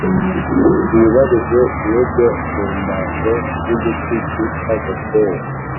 Wibarize inkuge mu mbaho z igiti cyitwa goferu